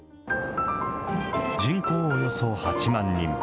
人口およそ８万人。